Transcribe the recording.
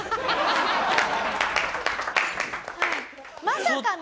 まさかの。